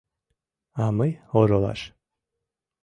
— А мый — оролаш.